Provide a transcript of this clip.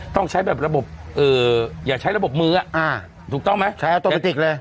ต้องใช้แบบระบบเอ่ออย่าใช้ระบบมื้ออ่าถูกต้องไหมใช้เลย